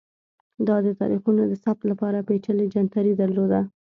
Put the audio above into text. دا د تاریخونو د ثبت لپاره پېچلی جنتري درلوده